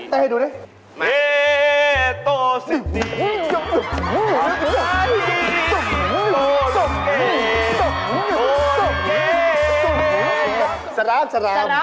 ตัดเต้นอีกแล้ว